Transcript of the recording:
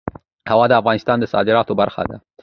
هوا د افغانستان د صادراتو برخه ده.